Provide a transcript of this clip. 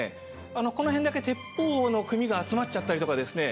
この辺だけ鉄砲の組が集まっちゃったりとかですね